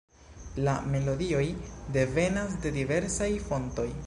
La melodioj devenas de diversaj fontoj.